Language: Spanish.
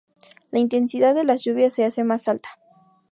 La intensidad de las lluvias se hace más alta.